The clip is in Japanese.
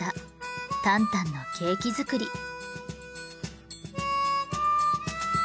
タンタンのケーキ作り。